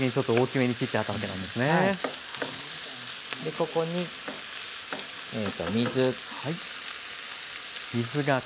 ここに水。